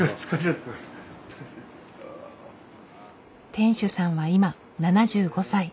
店主さんは今７５歳。